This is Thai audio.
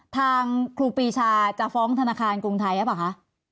ทางครูปีชาจะฟ้องธนาคารกรุงไทยหรือเปล่าคะ